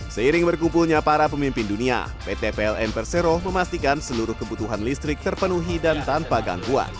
seiring berkumpulnya para pemimpin dunia pt pln persero memastikan seluruh kebutuhan listrik terpenuhi dan tanpa gangguan